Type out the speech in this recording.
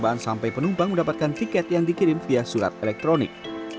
pertama penumpang mendapatkan tiket yang dikirim via surat elektronik